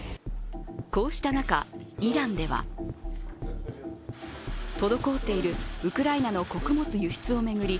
こうした中、イランでは滞っているウクライナの穀物輸出を巡り